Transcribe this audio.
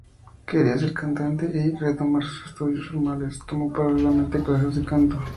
Quería ser cantante y, al retomar sus estudios formales, tomó paralelamente clases de canto.